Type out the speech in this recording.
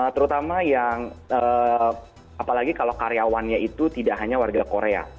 terutama yang apalagi kalau karyawannya itu tidak hanya warga korea